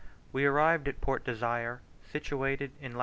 We arrived at Port Desire, situated in lat.